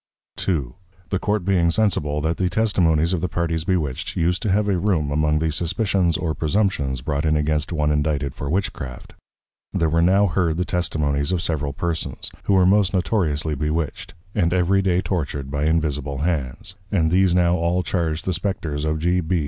II. The Court being sensible, that the Testimonies of the Parties Bewitched, use to have a Room among the Suspicions or Presumptions, brought in against one Indicted for Witch craft; there were now heard the Testimonies of several Persons, who were most notoriously Bewitched, and every day Tortured by Invisible Hands, and these now all charged the Spectres of _G. B.